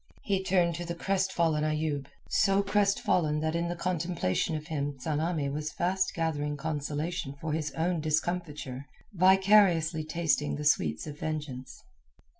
He turned to the crestfallen Ayoub, so crestfallen that in the contemplation of him Tsamanni was fast gathering consolation for his own discomfiture, vicariously tasting the sweets of vengeance.